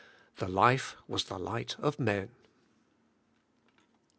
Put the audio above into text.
'The life was the light of men.'